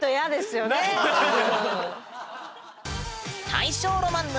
「大正ロマン沼」